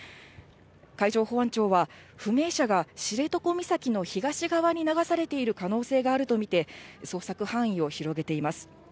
海上保安庁は、不明者が知床岬の東側に流されている可能性があると見て、捜索範囲を広げています。